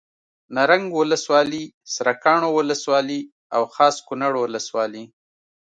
نرنګ ولسوالي سرکاڼو ولسوالي او خاص کونړ ولسوالي